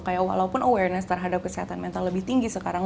kayak walaupun awareness terhadap kesehatan mental lebih tinggi sekarang